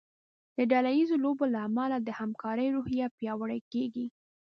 د ډله ییزو لوبو له امله د همکارۍ روحیه پیاوړې کیږي.